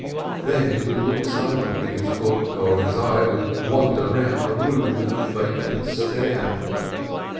Then he would look silently at his book, or his eye would wander round the room with a vacant stare.